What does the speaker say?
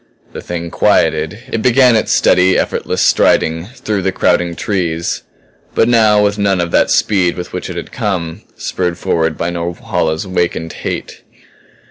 The Thing quieted; it began its steady, effortless striding through the crowding trees but now with none of that speed with which it had come, spurred forward by Norhala's awakened hate.